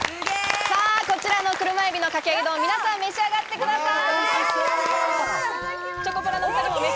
車海老のかき揚げ丼、皆さん召し上がってください。